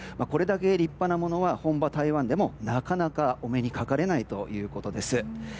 これだけ立派なものは本場・台湾でもなかなかお目にかかれないということです。